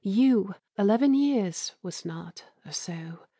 You eleven years, was 't not, or so?